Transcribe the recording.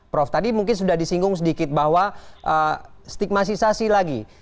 prof tadi mungkin sudah disinggung sedikit bahwa stigmatisasi lagi